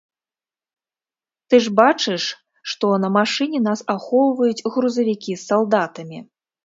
Ты ж бачыш, што на машыне нас ахоўваюць грузавікі з салдатамі.